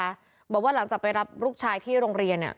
บอกว่าหลังจากไปรับลูกชายที่โรงเรียนเนี่ย